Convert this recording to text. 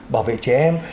bảo vệ trẻ em